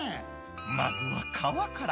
まずは皮から。